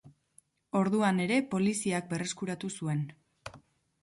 Orduan ere poliziak berreskuratu zuen.